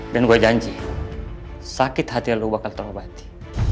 dan gue janji sakit hati lo bakal terobati